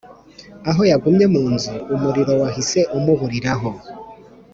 Aho yagumye mu nzu umuriro wahise umuburiraho